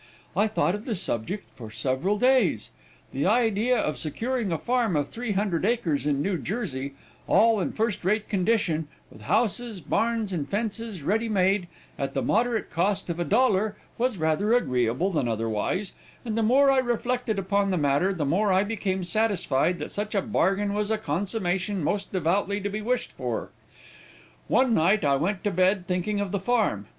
I thought of the subject for several days. The idea of securing a farm of three hundred acres in New Jersey, all in first rate condition, with houses, barns, and fences ready made, at the moderate cost of a dollar, was rather agreeable than otherwise, and the more I reflected upon the matter, the more I became satisfied that such a bargain was a consummation most devoutly to be wished for. One night I went to bed thinking of the farm.